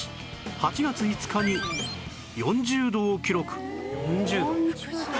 ８月５日に４０度を記録